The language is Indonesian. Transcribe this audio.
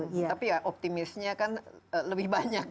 tapi ya optimisnya kan lebih banyak